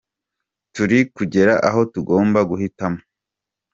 Turi kugera aho tugomba guhitamo.